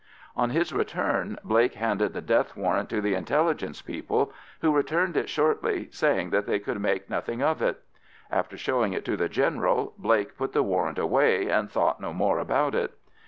On his return Blake handed the death warrant to the Intelligence people, who returned it shortly, saying that they could make nothing of it. After showing it to the General, Blake put the warrant away, and thought no more about it.